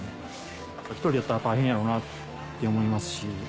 一人やったら大変やろうなって思いますし。